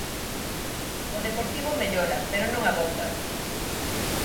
O Deportivo mellora pero non abonda.